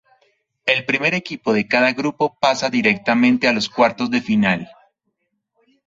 El primer equipo de cada grupo pasa directamente a los cuartos de final.